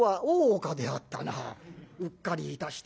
うっかりいたした。